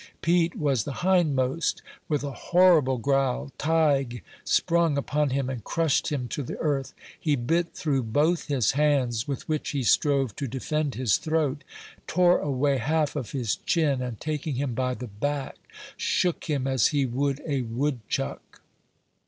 Pete was the hindmost. With a horrible growl, Tige sprung upon him and crushed him to the earth. He bit through both his hands, with which he strove to defend his throat, tore away half of his chin, and, taking him by the back, shook him as he would a woodchuck.